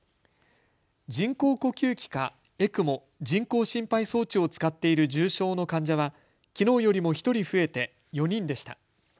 人工呼吸器かＥＣＭＯ・人工心肺装置を使っている重症の患者はきのうよりも１人増えて４人でした。